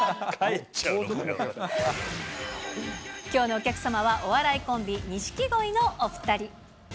きょうのお客様は、お笑いコンビ、錦鯉のお２人。